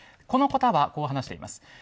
この方はこう話しています。